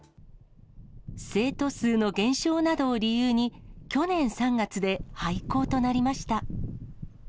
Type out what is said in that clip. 生徒数の減少などを理由に、去年３月で廃校となりました。